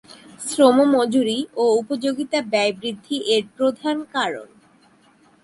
শ্রম মজুরি ও উপযোগিতা ব্যয় বৃদ্ধি এর প্রধান কারণ।